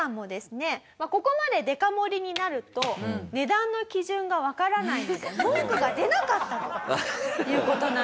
ここまでデカ盛りになると値段の基準がわからないので文句が出なかったという事なんですよ。